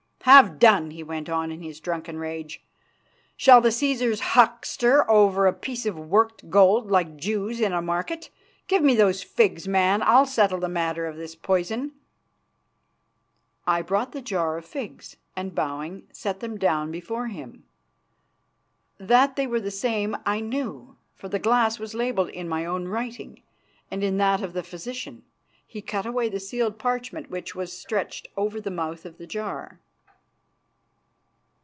"Have done," he went on in his drunken rage. "Shall the Cæsars huckster over a piece of worked gold like Jews in a market? Give me those figs, man; I'll settle the matter of this poison." I brought the jar of figs, and, bowing, set them down before him. That they were the same I knew, for the glass was labelled in my own writing and in that of the physician. He cut away the sealed parchment which was stretched over the mouth of the jar.